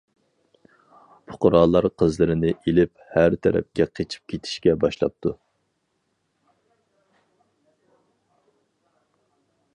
پۇقرالار قىزلىرىنى ئېلىپ ھەر تەرەپكە قېچىپ كېتىشكە باشلاپتۇ.